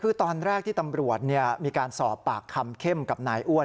คือตอนแรกที่ตำรวจมีการสอบปากคำเข้มกับนายอ้วน